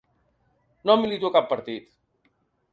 No milito a cap partit.